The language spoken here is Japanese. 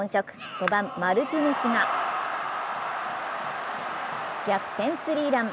５番・マルティネスが逆転スリーラン。